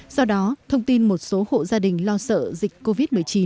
do đó thông tin một số hộ gia đình lo sợ dịch covid một mươi chín